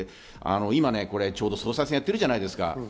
今、ちょうど総裁選やってるじゃないですか。